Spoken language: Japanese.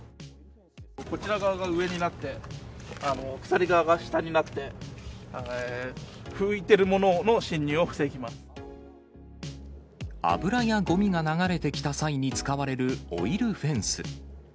こちら側が上になって、鎖側が下になって、油やごみが流れてきた際に使われるオイルフェンス。